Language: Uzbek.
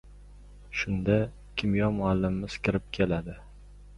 Shunda, kimyo muallimimiz kirib keladi.